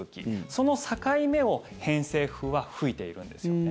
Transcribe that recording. その境目を偏西風は吹いているんですね。